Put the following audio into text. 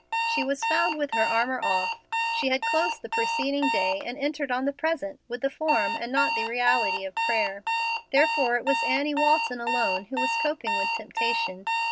She was found with her armor off. She had closed the preceding day and entered on the present with the form and not the reality of prayer. Therefore it was Annie Walton alone who was coping with temptation.